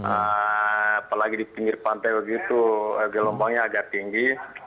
apalagi di pinggir pantai begitu gelombangnya agak tinggi